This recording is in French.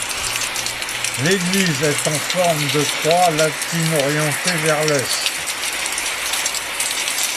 L'église est en forme de croix latine orientée vers l'Est.